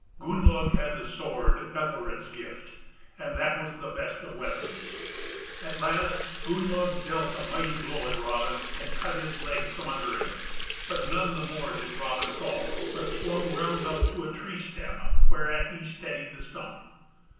Gunnlaug had the sword Ethelred's gift, and that was the best of weapons. At last Gunnlaug dealt a mighty blow at Raven, and cut his leg from under him; but none the more did Raven fall, but swung round up to a tree stem, whereat he steadied the stump.